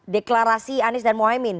deklarasi anies dan mohamid